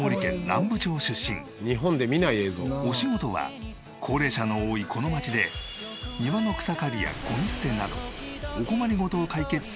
お仕事は高齢者の多いこの町で庭の草刈りやゴミ捨てなどお困り事を解決する御用聞き。